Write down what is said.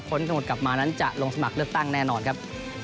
ทั้งหมดกลับมานั้นจะลงสมัครเลือกตั้งแน่นอนครับ